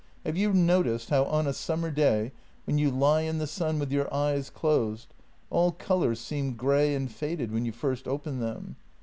Have you noticed how on a summer day, when you lie in the sun with your eyes closed, all colours seem grey and faded when you first open them?